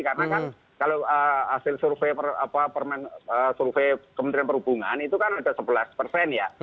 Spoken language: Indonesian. karena kan kalau hasil survei kementerian perhubungan itu kan ada sebelas persen ya